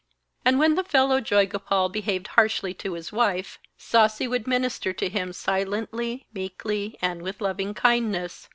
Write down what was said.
And when the fellow Joygopal behaved harshly to his wife, Sasi would minister to him silently, meekly, and with loving kindness.